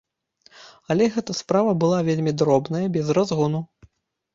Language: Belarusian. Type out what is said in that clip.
Але гэта справа была вельмі дробная, без разгону.